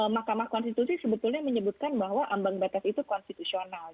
mahkamah konstitusi sebetulnya menyebutkan bahwa ambang batas itu konstitusional